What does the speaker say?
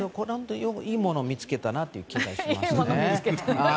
いいものを見つけたなという気がします。